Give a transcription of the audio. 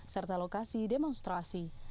serta lokasi demonstrasi